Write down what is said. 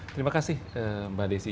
terima kasih mbak desy